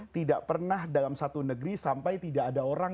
tidak pernah dalam satu negeri sampai tidak ada orang